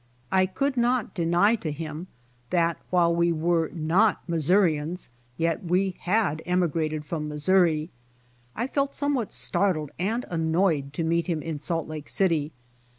I could not deny to him that while we were not Missourians yet we had emigrated from Missouri. I felt somewhat startled and annoyed ito meet him in Salt Lake City.